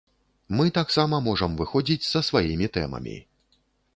Мы таксама можам выходзіць са сваімі тэмамі.